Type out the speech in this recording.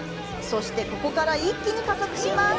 そして、ここから一気に加速します！